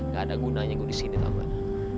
gak ada gunanya saya di sini tahu gak